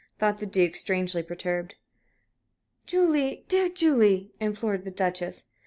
thought the Duke, strangely perturbed. "Julie, dear Julie," implored the Duchess.